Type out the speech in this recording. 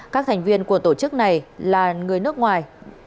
các thành viên của tổ chức này là người nước ngoài